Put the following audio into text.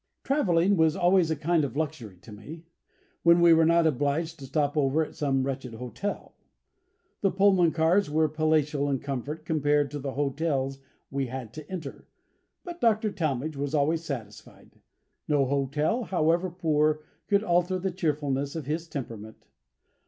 Travelling was always a kind of luxury to me, when we were not obliged to stop over at some wretched hotel. The Pullman cars were palatial in comfort compared to the hotels we had to enter. But Dr. Talmage was always satisfied; no hotel, however poor, could alter the cheerfulness of his temperament.